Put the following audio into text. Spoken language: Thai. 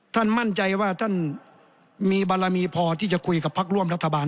ท่านมั่นใจว่าท่านมีบารมีพอที่จะคุยกับพักร่วมรัฐบาล